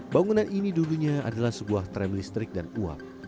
bangunan ini dulunya adalah sebuah tram listrik dan uap